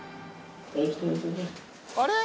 あれ？